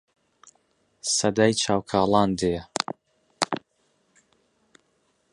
سەدای چاو کاڵان دێ